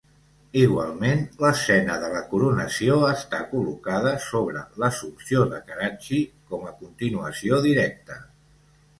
Igualment, l'escena de la Coronació està col·locada sobre l'Assumpció de Carracci com a continuació directa.